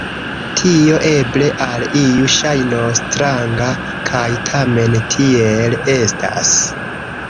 Tio eble al iu ŝajnos stranga, kaj tamen tiel estas.